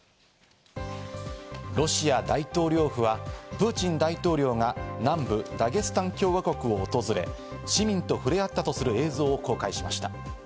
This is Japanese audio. ロシア大統領府はプーチン大統領が南部ダゲスタン共和国を訪れ、市民と触れ合ったとする映像を公開しました。